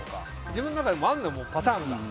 自分の中でもあるのよパターンが。